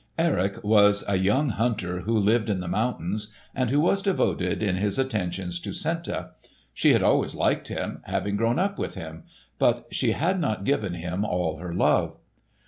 Erik was a young hunter who lived in the mountains, and who was devoted in his attentions to Senta. She had always liked him, having grown up with him, but she had not given him all her love.